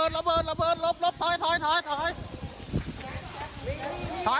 รบรบถอยถอยถอย